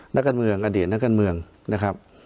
นักการเมืองอดีตนักการเมืองนะครับ